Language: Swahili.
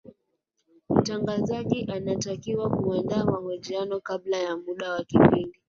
mtangazaji anatakiwa kuandaa mahojiano kabla ya muda wa kipindi